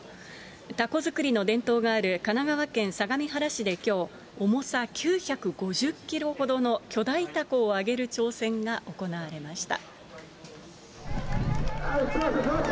たこ作りの伝統がある神奈川県相模原市できょう、重さ９５０キロほどの巨大たこを揚げる挑戦が行われました。